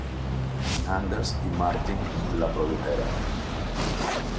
Anders y Martin la produjeron.